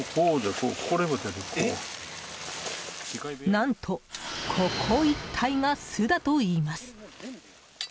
何と、ここ一帯が巣だといいます。